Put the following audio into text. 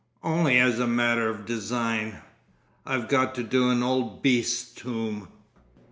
"Only as a matter of design. I've got to do an old beast's tomb.